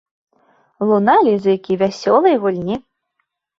Луналі зыкі вясёлай гульні.